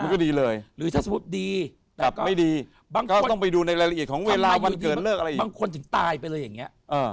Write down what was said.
สมมติดีหรือจะสมมติดีและไม่ดีมันต้องไปดูในรายละเอียดของเวลามันเกิดอะไรอีก